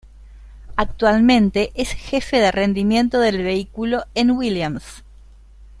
Actualmente es jefe de rendimiento del vehículo en Williams.